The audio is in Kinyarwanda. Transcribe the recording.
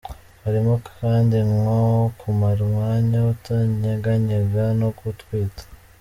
Harimo kandi nko kumara umwanya utanyeganyega no gutwita.